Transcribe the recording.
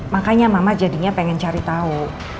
makanya mama jadinya pengen cari tahu